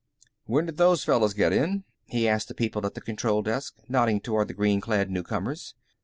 "When did those fellows get in?" he asked the people at the control desk, nodding toward the green clad newcomers.